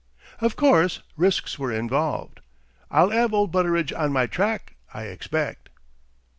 Of course, risks were involved. "I'll 'ave old Butteridge on my track, I expect!"